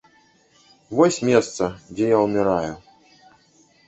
Вось месца, дзе я ўміраю.